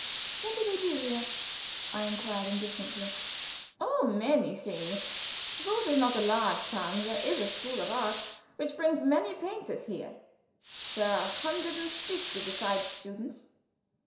"What do they do here?" I inquired, indifferently. "Oh, many things. Though it is not a large town there is a School of Art, which brings many painters here. There are a hundred and fifty besides students."